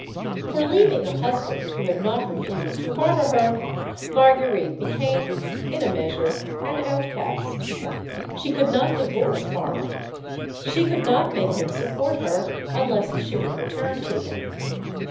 For leaving a husband who had not refused to harbor her, Marguerite became in a measure an outcast. She could not divorce Farmer; she could not make him support her, unless she would return to him.